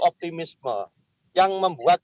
optimisme yang membuat